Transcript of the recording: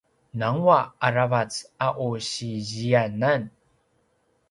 nanguaq a ravac a u si ziyanan